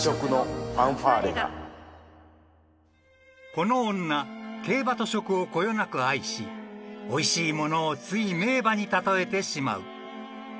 ［この女競馬と食をこよなく愛しおいしい物をつい名馬に例えてしまう］